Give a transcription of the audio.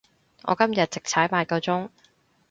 我今日直踩八個鐘